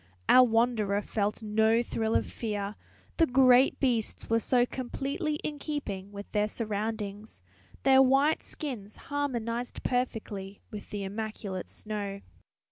Our wanderer felt no thrill of fear, the great beasts were so completely in keeping with their surroundings; their white skins harmonized perfectly with the immaculate snow.